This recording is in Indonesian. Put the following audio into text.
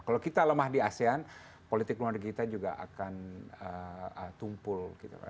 kalau kita lemah di asean politik luar negeri kita juga akan tumpul